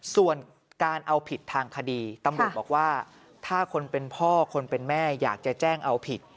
ส่วนการเอาผิดทางคดีตำรวจบอกว่าถ้าคนเป็นพ่อคนเป็นแม่อยากจะแจ้งเอาผิด